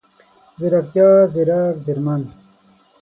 ځيرکتيا، ځیرک، ځیرمن،